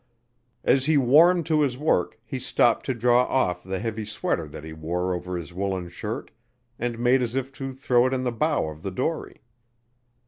As he warmed to his work he stopped to draw off the heavy sweater that he wore over his woollen shirt, and made as if to throw it in the bow of the dory.